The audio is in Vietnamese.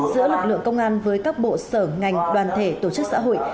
giữa lực lượng công an với các bộ sở ngành đoàn thể tổ chức xã hội